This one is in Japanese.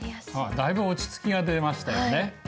だいぶ落ち着きが出ましたよね。